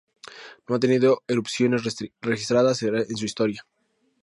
No ha tenido erupciones registradas en su historia.